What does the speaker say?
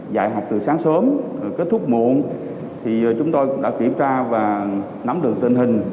dạy học từ sáng sớm kết thúc muộn chúng tôi đã kiểm tra và nắm được tình hình